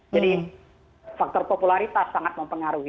jadi faktor popularitas sangat mempengaruhi